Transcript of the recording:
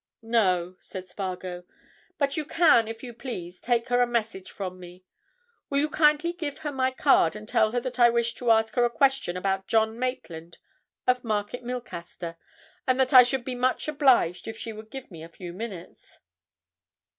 "No," said Spargo. "But you can, if you please, take her a message from me. Will you kindly give her my card, and tell her that I wish to ask her a question about John Maitland of Market Milcaster, and that I should be much obliged if she would give me a few minutes."